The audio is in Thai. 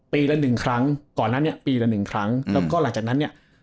ปีละหนึ่งครั้งก่อนนั้นปีละหนึ่งครั้งแล้วก็หลังจากนั้น